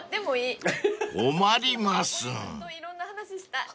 いろんな話したい。